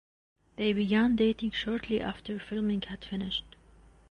They began dating shortly after filming had finished.